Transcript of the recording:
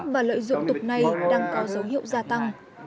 và lợi dụng tục này đang có dấu hiệu gia tăng